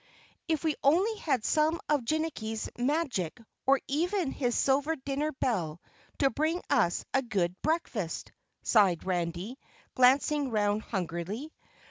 "If we only had some of Jinnicky's magic or even his silver dinner bell to bring us a good breakfast!" sighed Randy, glancing round hungrily.